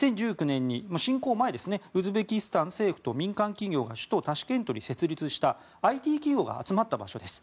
侵攻前ですねウズベキスタン政府と民間企業が首都タシケントに設立したＩＴ企業が集まった場所です。